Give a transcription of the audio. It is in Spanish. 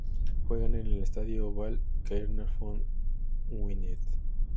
Juegan en el estadio Oval, Caernarfon, Gwynedd.